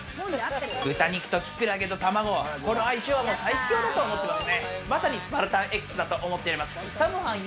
豚肉と木耳と卵、この相性は最強だと思います。